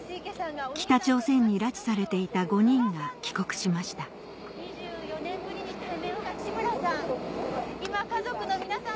北朝鮮に拉致されていた５人が帰国しました地村さん